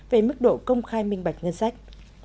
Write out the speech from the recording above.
về mức độ công khai minh bạch ngân sách